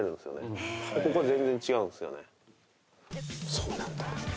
そうなんだ。